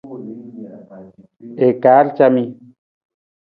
I kaar camii.